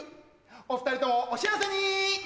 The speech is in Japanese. お二人ともお幸せに！